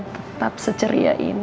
tetap seceria ini